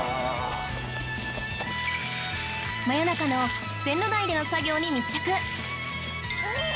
真夜中の線路内での作業に密着。